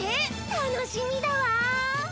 楽しみだわ！